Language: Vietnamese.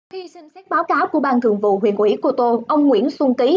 khi xin xét báo cáo của ban thường vụ huyện ủy cô tô ông nguyễn xuân ký